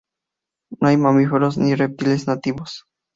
No hay mamíferos ni reptiles nativos.